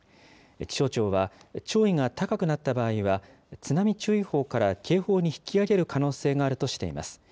気象庁は、潮位が高くなった場合は、津波注意報から警報に引き上げる可能性があるとしています。